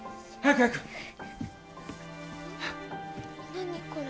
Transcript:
何これ？